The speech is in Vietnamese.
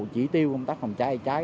chỉ tiêu công tác phòng cháy cháy